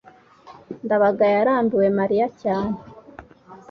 ndabaga yarambiwe mariya cyane